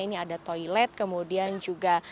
ini ada toilet kemudian juga